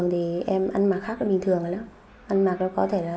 đã không cánh mà bay